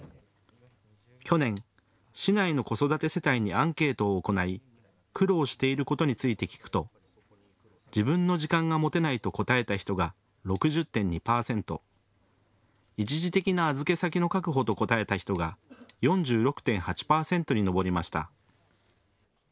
去年、市内の子育て世帯にアンケートを行い苦労していることについて聞くと自分の時間が持てないと答えた人が６０．２％、一時的な預け先の確保と答えた人が４６．８％に上りました。